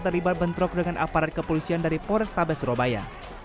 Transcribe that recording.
terlibat bentrok dengan aparat kepolisian dari pores tabe surabaya